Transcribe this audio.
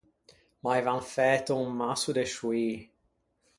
M’aivan fæto un masso de scioî.